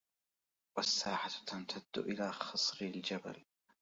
والساحة تمتد إلى خصر الجبلْ